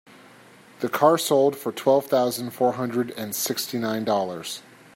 The car sold for twelve thousand four hundred and sixty nine dollars.